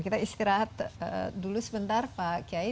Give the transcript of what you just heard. kita istirahat dulu sebentar pak kiai